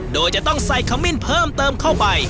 โดยจะต้องใส่ขมิ้นเพิ่มเติมเข้าไป